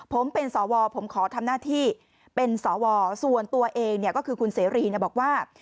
ผมเป็นสวผมขอทำหน้าที่เป็นสวส่วนตัวเองเนี่ยก็คือคุณเสรีบอกว่า